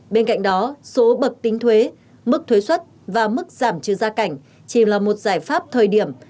bên cạnh đó số bậc tính thuế mức thuế xuất và mức giảm trừ gia cảnh chỉ là một giải pháp thời điểm